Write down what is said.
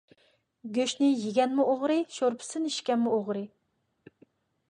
گۆشنى يىگەنمۇ ئوغرى، شورپىسىنى ئىچكەنمۇ ئوغرى.